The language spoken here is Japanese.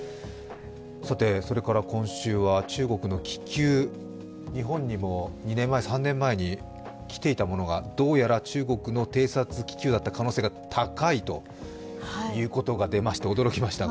今週は中国の気球、日本にも２年前、３年前にも来ていたものがどうやら中国の偵察気球だった可能性が高いということが出まして、驚きましたが。